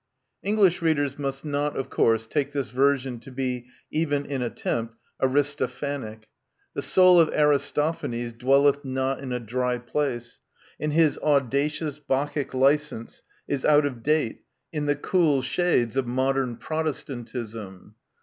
English readers must not, of course, take this version to be, even in attempt, Aristophanic. The soul of Aristophanes " dwelleth not in a dry place," and his audacious Bacchic licence is out of date in the "cool shades of modern Pro vi Preface. testantism."